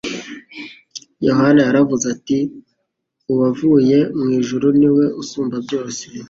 Yohana yaravuze ati: “uwavuye mu ijuru niwe usumba byose,